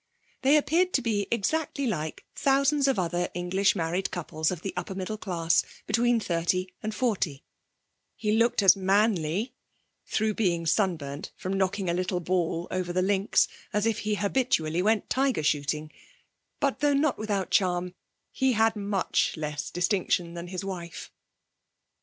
They appeared to be exactly like thousands of other English married couples of the upper middle class between thirty and forty; he looked as manly (through being sunburnt from knocking a little ball over the links) as if he habitually went tiger shooting; but, though not without charm, he had much less distinction than his wife.